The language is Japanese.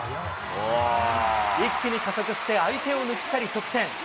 一気に加速して相手を抜き去り、得点。